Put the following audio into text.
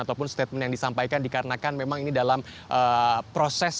ataupun statement yang disampaikan dikarenakan memang ini dalam proses